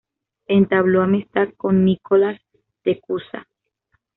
Entabló amistad con Nicolás de Cusa.